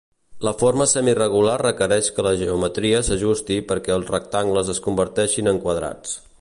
La forma semiregular requereix que la geometria s'ajusti perquè els rectangles es converteixin en quadrats.